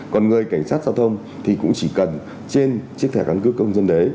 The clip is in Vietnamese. còn người cảnh sát giao thông thì cũng chỉ cần trên chiếc thẻ căn cước công dân đấy